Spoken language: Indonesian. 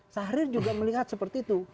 syahrir juga melihat seperti itu